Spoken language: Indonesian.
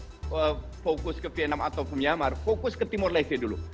tapi tidak usah fokus ke vietnam atau myanmar fokus ke timor leste dulu